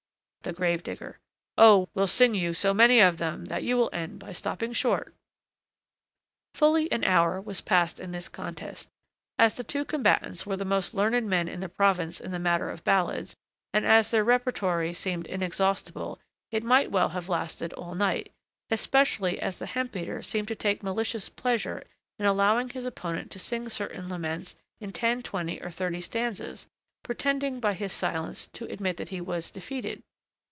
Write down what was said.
THE GRAVE DIGGER. Oh! we'll sing you so many of them, that you will end by stopping short. Fully an hour was passed in this contest. As the two combatants were the most learned men in the province in the matter of ballads, and as their repertory seemed inexhaustible, it might well have lasted all night, especially as the hemp beater seemed to take malicious pleasure in allowing his opponent to sing certain laments in ten, twenty, or thirty stanzas, pretending by his silence to admit that he was defeated.